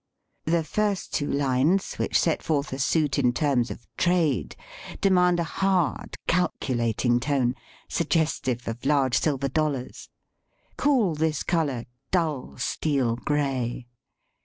The first two lines, which set forth a suit in terms of trade, demand a hard, calculating 70 STUDY IN TONE COLOR tone, suggestive of large silver dollars. Call this color dull steel gray.